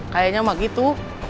kayaknya mah gitu